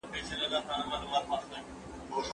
که عمل وي نو تیوري نه پاتې کیږي.